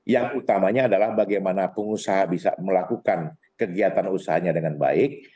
yang utamanya adalah bagaimana pengusaha bisa melakukan kegiatan usahanya dengan baik